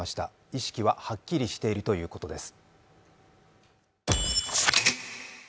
意識ははっきりしているということです。